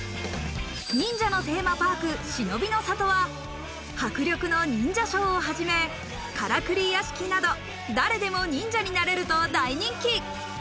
忍者のテーマパーク、しのびの里は迫力の忍者ショーをはじめ、からくり屋敷など、誰でも忍者になれると大人気。